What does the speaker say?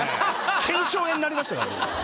腱鞘炎になりましたから私。